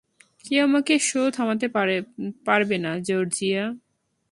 কেউ আমার শো থামাতে পারবেনা, জর্জিয়া।